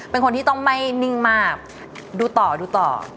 เป็นคนที่ต้องไม่นิ่งมากดูต่อดูต่อ